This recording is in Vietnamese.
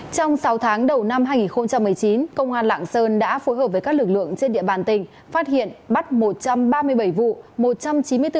trong sáu tháng đầu năm hai nghìn một mươi chín công an lạng sơn đã phối hợp với các lực lượng trên địa bàn tỉnh phát hiện bắt một trăm ba mươi bảy vụ